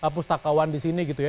pustakawan di sini gitu ya